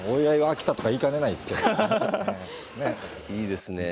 いいですねえ。